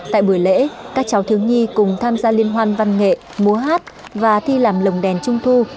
tại buổi lễ các cháu thiếu nhi cùng tham gia liên hoan văn nghệ múa hát và thi làm lồng đèn trung thu